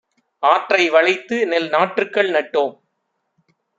ஆற்றை வளைத்துநெல் நாற்றுக்கள் நட்டோ ம்;